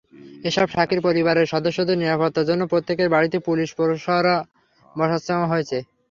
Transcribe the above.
এসব সাক্ষীর পরিবারের সদস্যদের নিরাপত্তার জন্য প্রত্যেকের বাড়িতে পুলিশ প্রহরা বসানো হয়েছে।